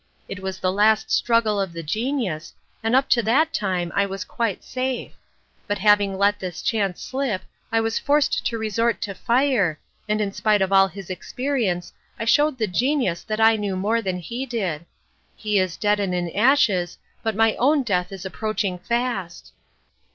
It was the last struggle of the genius, and up to that time I was quite safe. But having let this chance slip I was forced to resort to fire, and in spite of all his experience I showed the genius that I knew more than he did. He is dead and in ashes, but my own death is approaching fast."